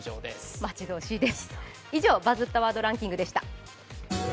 待ち遠しいです。